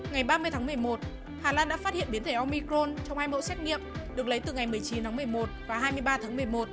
ngày ba mươi tháng một mươi một hà lan đã phát hiện biến thể omicrone trong hai mẫu xét nghiệm được lấy từ ngày một mươi chín tháng một mươi một và hai mươi ba tháng một mươi một